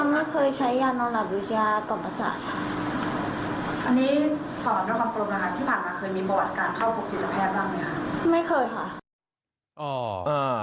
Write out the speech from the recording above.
พี่ถามค่ะเคยมีประวัติการเข้าฝุกจิตแพทย์บ้างไหมคะ